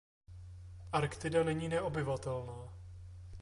Arktida není neobyvatelná.